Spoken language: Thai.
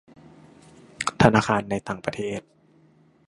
ธนาคารในต่างประเทศ